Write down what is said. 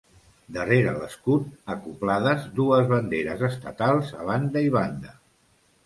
Darrere l'escut, acoblades, dues banderes estatals a banda i banda.